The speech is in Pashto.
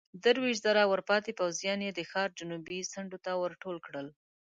درويشت زره ورپاتې پوځيان يې د ښار جنوبي څنډو ته ورټول کړل.